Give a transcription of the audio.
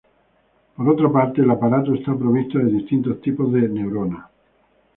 Por otra parte, el aparato está provisto de distintos tipos de neuronas.